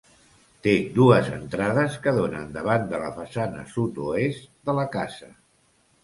Té dues entrades que donen davant de la façana sud-oest de la casa.